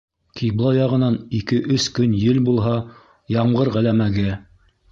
Ҡибла яғынан ике-өс көн ел булһа, ямғыр ғәләмәге.